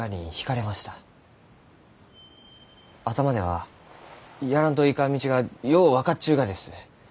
頭ではやらんといかん道がよう分かっちゅうがです。